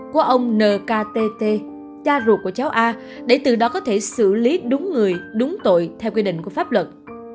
qua ông nkt cha ruột của cháu a để từ đó có thể xử lý đúng người đúng tội theo quy định của pháp luật